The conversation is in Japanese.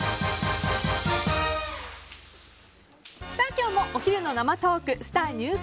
今日もお昼の生トークスター☆